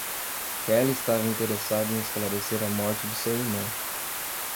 Kelly estava interessada em esclarecer a morte de seu irmão.